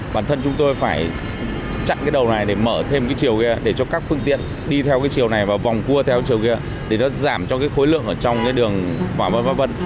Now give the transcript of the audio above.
bản thân chúng tôi phải chặn cái đầu này để mở thêm cái chiều kia để cho các phương tiện đi theo cái chiều này và vòng cua theo cái chiều kia để nó giảm cho cái khối lượng ở trong cái đường vân vân vân vân